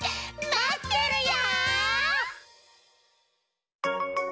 まってるよ！